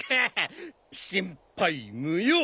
心配無用。